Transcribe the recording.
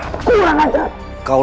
tidak ada yang bisa menghianatkan